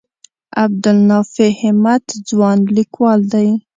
عبدالنافع همت ځوان لیکوال دی.